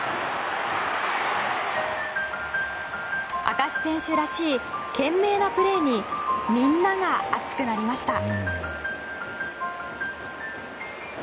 明石選手らしい懸命なプレーにみんなが熱くなりました。